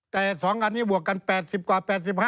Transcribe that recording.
แต่๒อันนี้บวกกัน๘๐กว่า๘๕